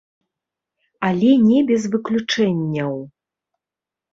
Але не без выключэнняў.